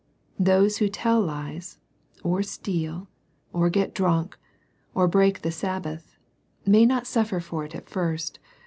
Those who tell lies, or steal, or get drunk, or break the Sabbath, may not suffer for it at first.